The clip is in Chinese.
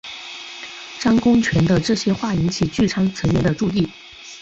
张公权的这些话引起聚餐成员的注意。